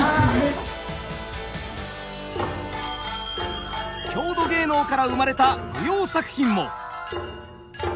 郷土芸能から生まれた舞踊作品も。